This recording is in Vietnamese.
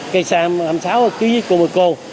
cây xăng cam sáu ký với cô mời cô